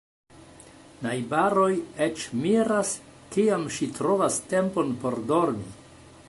Najbaroj eĉ miras, kiam ŝi trovas tempon por dormi.